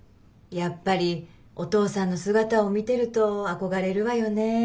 やっぱりお父さんの姿を見てると憧れるわよね。